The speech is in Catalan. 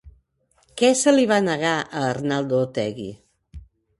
Què se li va negar a Arnaldo Otegi?